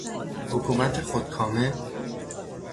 حکومت خودکامه